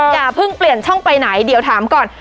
อย่าเพิ่งเปลี่ยนช่องไปไหนเดี๋ยวถามก่อน